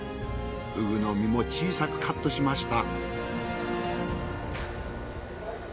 ふぐの身も小さくカットしました。